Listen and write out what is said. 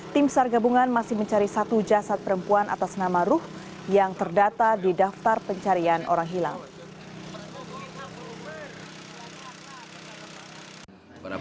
tim sar gabungan masih mencari satu jasad perempuan atas nama ruh yang terdata di daftar pencarian orang hilang